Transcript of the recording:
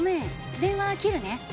電話切るね。